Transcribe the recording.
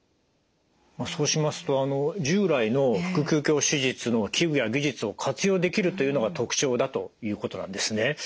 そうしますと従来の腹腔鏡手術の器具や技術を活用できるというのが特徴だということなんですね。